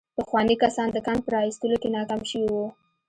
پخواني کسان د کان په را ايستلو کې ناکام شوي وو.